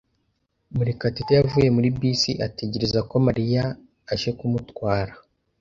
Murekatete yavuye muri bisi ategereza ko Mariya aje kumutwara.